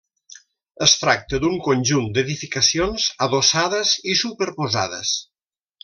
Es tracta d'un conjunt d'edificacions adossades i superposades.